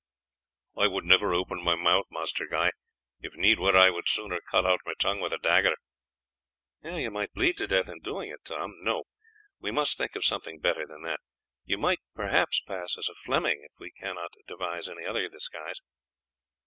"I would never open my mouth, Master Guy; if need were I would sooner cut out my tongue with a dagger." "You might bleed to death in the doing of it, Tom. No; we must think of something better than that. You might perhaps pass as a Fleming, if we cannot devise any other disguise."